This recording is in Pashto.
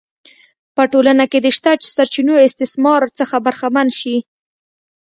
په ټولنه کې د شته سرچینو استثمار څخه برخمن شي.